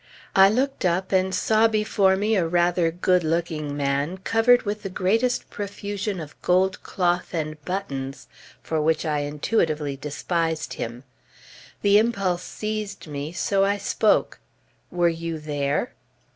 I looked up, and saw before me a rather good looking man covered with the greatest profusion of gold cloth and buttons, for which I intuitively despised him. The impulse seized me, so I spoke. "Were you there?"